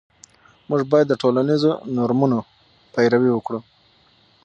موږ باید د ټولنیزو نورمونو پیروي وکړو.